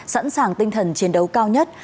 sẵn sàng tinh thần chiến đấu cao nhất